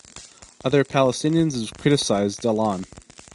Other Palestinians have criticized Dahlan.